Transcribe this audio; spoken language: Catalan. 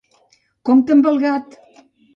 Compte amb el gat!